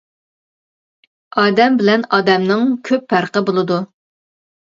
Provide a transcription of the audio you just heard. ئادەم بىلەن ئادەمنىڭ كۆپ پەرقى بولىدۇ.